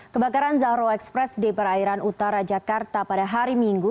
kebakaran zahro express di perairan utara jakarta pada hari minggu